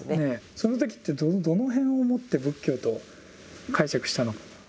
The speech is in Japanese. その時ってどの辺をもって仏教と解釈したのか？